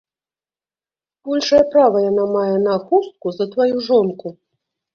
Большае права яна мае на хустку за тваю жонку.